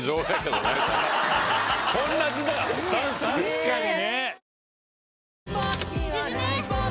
確かにね。